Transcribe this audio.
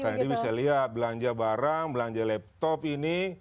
karena ini bisa lihat belanja barang belanja laptop ini